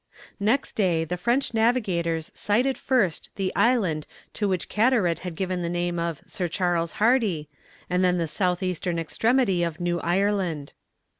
Next day the French navigators sighted first the island to which Carteret had given the name of Sir Charles Hardy, and then the south eastern extremity of New Ireland.